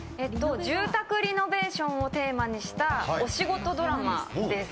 住宅リノベーションをテーマにしたお仕事ドラマです。